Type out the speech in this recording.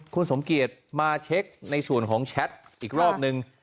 คุณสมเกียจมาเช็คในส่วนของแชทอีกรอบนึง